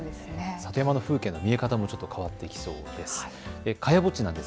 里山の風景の見え方も変わってきそうです。